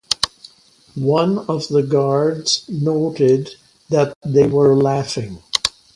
One of the guards noted that they were laughing.